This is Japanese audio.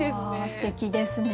すてきですね。